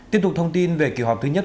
tiếp tục thông tin về kỷ họp thứ nhất